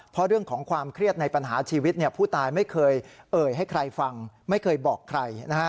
เพราะเรื่องของความเครียดในปัญหาชีวิตผู้ตายไม่เคยเอ่ยให้ใครฟังไม่เคยบอกใคร